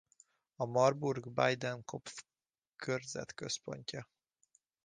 A Marburg-Biedenkopf körzet központja.